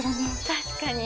確かに。